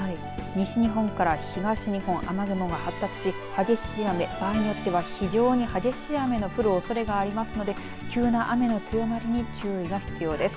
西日本から東日本雨雲が発達し激しい雨、場合によっては非常に激しい雨が降るおそれがありますので急な雨の強まりに注意が必要です。